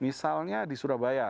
misalnya di surabaya